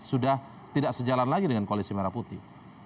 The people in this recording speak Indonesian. sudah tidak sejalan lagi dengan koalisi merah putih